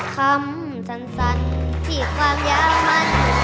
คำสั่นที่ความย้ำมั่น